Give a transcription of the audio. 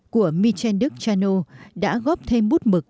của michel duc chano đã góp thêm bút mực